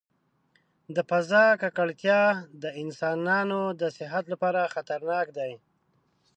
د فضا ککړتیا د انسانانو د صحت لپاره خطرناک دی.